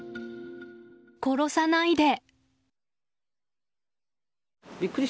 殺さないで！